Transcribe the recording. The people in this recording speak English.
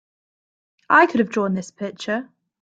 I could have drawn this picture!